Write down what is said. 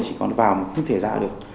chỉ có vào mà không thể ra được